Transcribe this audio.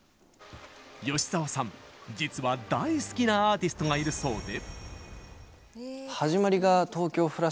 吉沢さん、実は大好きなアーティストがいるそうで。